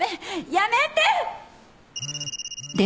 やめて！